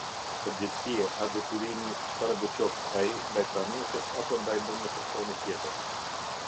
Përgjegjësie a detyrimi çfarëdo qoftë ai ndaj Pranuesit apo ndaj ndonjë personi tjetër.